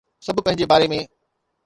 سڀ پنهنجي باري ۾